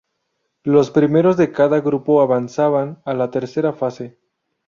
Los primeros de cada grupo avanzaban a la tercera fase.